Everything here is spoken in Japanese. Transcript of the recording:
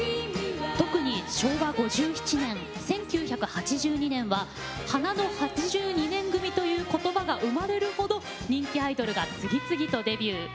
特に昭和５７年、１９８２年は花の８２年組ということばが生まれるほど人気アイドルが次々とデビュー。